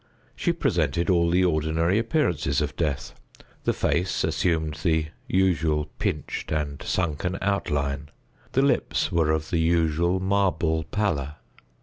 She presented all the ordinary appearances of death. The face assumed the usual pinched and sunken outline. The lips were of the usual marble pallor.